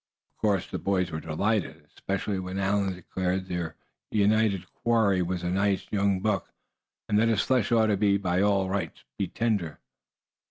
Of course the boys were delighted, especially when Allan declared their united quarry was a nice young buck, and that his flesh ought by all rights be tender.